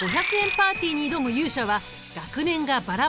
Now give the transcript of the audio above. パーティーに挑む勇者は学年がバラバラなこの４人。